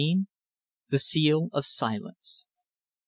THE SEAL OF SILENCE.